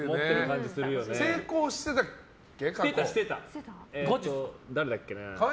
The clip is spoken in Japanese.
成功してたっけ？